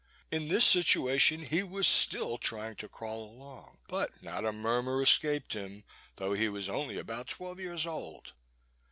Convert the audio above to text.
In this situation he was still trying to crawl along; but not a murmur escaped him, though he was only about twelve years old.